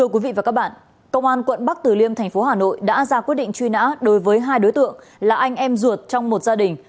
công an quận bắc từ liêm thành phố hà nội đã ra quyết định truy nã đối với hai đối tượng là anh em ruột trong một gia đình